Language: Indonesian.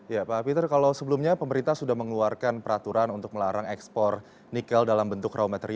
ya pak peter kalau sebelumnya pemerintah sudah mengeluarkan peraturan untuk melarang ekspor nikel dalam bentuk raw material